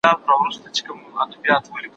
زه پرون د سبا لپاره د نوي لغتونو يادوم!